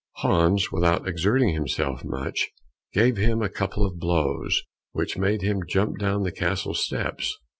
Hans, without exerting himself much, gave him a couple of blows which made him jump down the castle steps.